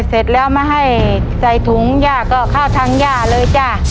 เสร็จแล้วมาให้ใส่ถุงย่าก็เข้าทางย่าเลยจ้ะ